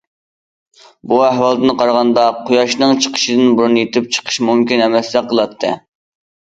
بۇ ئەھۋالدىن قارىغاندا قۇياشنىڭ چىقىشىدىن بۇرۇن يېتىپ چىقىش مۇمكىن ئەمەستەك قىلاتتى.